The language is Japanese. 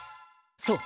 そう！